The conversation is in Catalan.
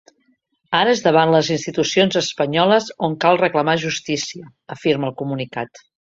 Ara és davant les institucions espanyoles on cal reclamar justícia, afirma el comunicat.